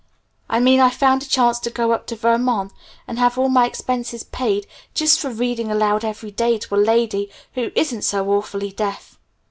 I mean I've found a chance to go up to Vermont and have all my expenses paid just for reading aloud every day to a lady who isn't so awfully deaf.